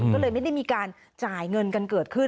ก็เลยไม่ได้มีการจ่ายเงินกันเกิดขึ้น